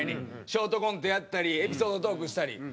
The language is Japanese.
ショートコントやったりエピソードトークしたり。